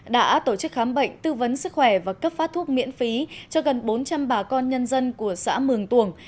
đã tổ chức khám bệnh tư vấn sức khỏe và cấp phát thuốc miễn phí cho gần bốn trăm linh bà con nhân dân của xã mường tuồng